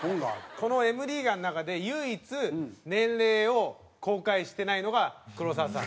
このＭリーガーの中で唯一年齢を公開してないのが黒沢さん。